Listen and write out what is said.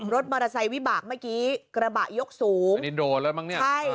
รถมอเตอร์ไซค์วิบากเมื่อกี้กระบะยกสูงอันนี้โดนแล้วมั้งเนี่ยใช่